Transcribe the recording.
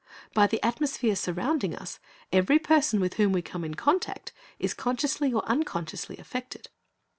By the atmosphere surrounding us, every person with whom we come in contact is consciously or unconsciously affected.